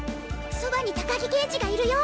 そばに高木刑事がいるよ！